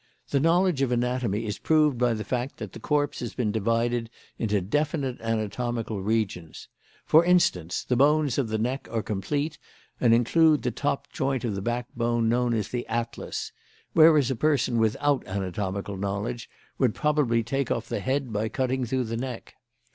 The knowledge of anatomy is proved by the fact that the corpse has been divided into definite anatomical regions. For instance, the bones of the neck are complete and include the top joint of the backbone known as the atlas; whereas a person without anatomical knowledge would probably take off the head by cutting through the neck.